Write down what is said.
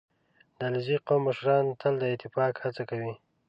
• د علیزي قوم مشران تل د اتفاق هڅه کوي.